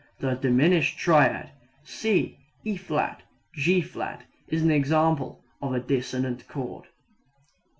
The diminished triad C E[flat] G[flat] is an example of a dissonant chord.